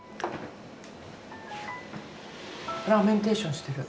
ファーメンテーションしてる。